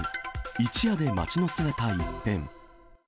一夜で街の姿一変。